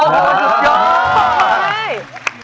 โอ้โหสุดยอด